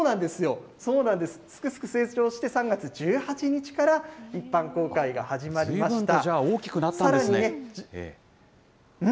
すくすく成長して、３月１８日から一般公開が始まりました。